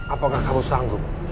apakah kamu sanggup